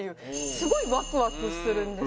すごいワクワクするんですよ。